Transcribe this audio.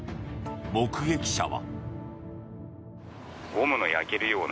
目撃者は。